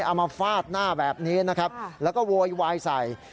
เอามาฟาดหน้าแบบนี้นะครับแล้วก็โวยวายใส่